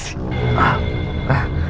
tentang alat tadi pak